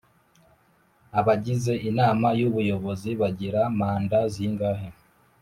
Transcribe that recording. Abagize inama y Ubuyobozi bagira manda zingahe